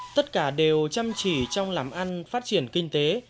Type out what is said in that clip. tất cả đều chăm chỉ trong làm ăn phát triển kinh tế